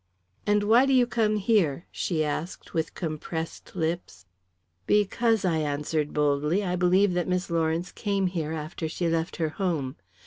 "And why do you come here?" she asked with compressed lips. "Because," I answered boldly, "I believe that Miss Lawrence came here when she left her home.